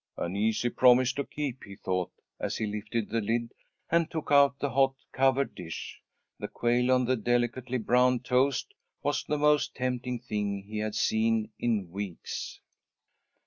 An easy promise to keep, he thought, as he lifted the lid, and took out the hot covered dish. The quail on the delicately browned toast was the most tempting thing he had seen in weeks.